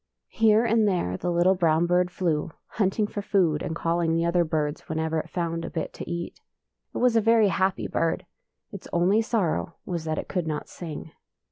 Here and there the little brown bird flew, hunting for food and calling the other birds whenever it found a bit to eat. It was a very happy bird. Its only sorrow was that it could not sing.